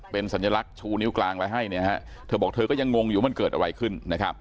เป็นสัญลักษณ์ชูนิ้วกลางไว้ให้เธอบอกเธอก็ยังงงอยู่มันเกิดอะไรขึ้น